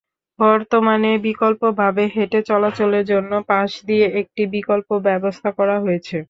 বর্তমানে বিকল্পভাবে হেঁটে চলাচলের জন্য পাশ দিয়ে একটি বিকল্প ব্যবস্থা করা হয়েছে।